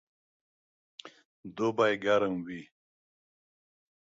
دوبئ ګرم وي